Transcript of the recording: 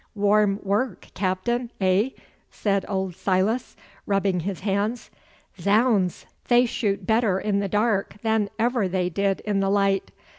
'Warm work, Captain, eh?' said old Silas, rubbing his hands. 'Zounds, they shoot better in the dark than ever they did in the light.